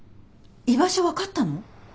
居場所分かったの？